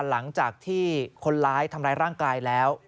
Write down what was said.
หลังจากที่คนร้ายทำร้ายร่างกายแล้ว